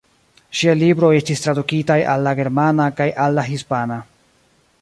Ŝiaj libroj estis tradukitaj al la germana kaj al la hispana.